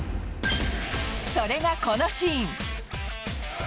それがこのシーン。